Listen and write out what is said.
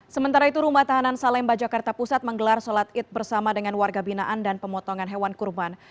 sementara itu rumah tahanan salemba jakarta pusat menggelar sholat id bersama dengan warga binaan dan pemotongan hewan kurban